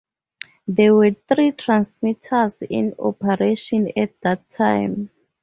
There were three transmitters in operation at that time.